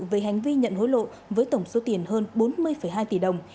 về hành vi nhận hối lộ với tổng số tiền hơn bốn mươi hai tỷ đồng